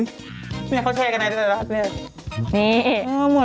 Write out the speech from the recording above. เนี่ยเขาแชร์กันไหนดีกว่า